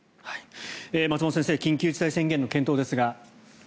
松本先生緊急事態宣言の検討ですが。